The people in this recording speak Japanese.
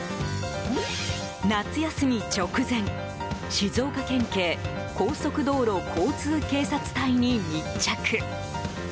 夏休み直前、静岡県警高速道路交通警察隊に密着。